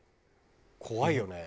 怖いよね。